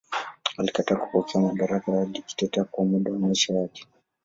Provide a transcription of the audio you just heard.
Alikataa kupokea madaraka ya dikteta kwa muda wa maisha yake.